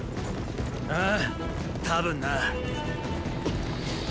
ああ多分な。